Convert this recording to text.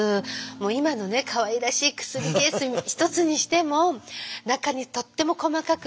今のかわいらしい薬ケース一つにしても中にとっても細かく字でね。